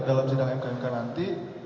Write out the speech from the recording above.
dalam sindang mkmk nanti